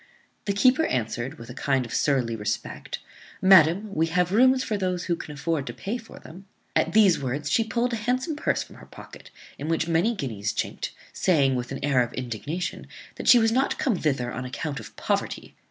The keeper answered, with a kind of surly respect, "Madam, we have rooms for those who can afford to pay for them." At these words she pulled a handsome purse from her pocket, in which many guineas chinked, saying, with an air of indignation, "That she was not come thither on account of poverty."